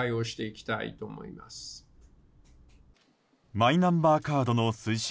マイナンバーカードの推進